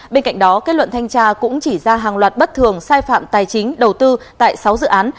bên cạnh đó kết luận thanh tra cũng chỉ ra hàng loạt bất thường sai phạm tài chính đầu tư tại sáu dự án